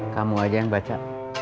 kamu aja yang baca